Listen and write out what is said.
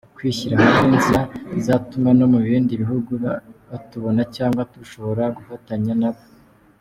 Kwishyira hamwe ni inzira izatuma no mu bindi bihugu batubona cyangwa dushobora gufatanya nabo.